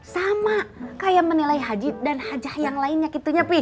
sama kayak menilai haji dan hajah yang lainnya gitu nyepi